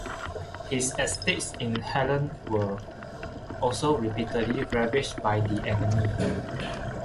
His estates in Halland were also repeatedly ravaged by the enemy.